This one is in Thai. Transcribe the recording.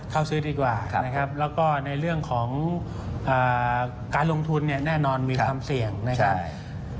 เข้าซื้อดีกว่านะครับแล้วก็ในเรื่องของการลงทุนเนี่ยแน่นอนมีความเสี่ยงนะครับ